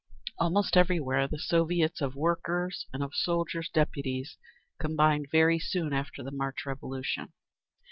Almost everywhere the Soviets of Workers' and of Soldiers' Deputies combined very soon after the March Revolution.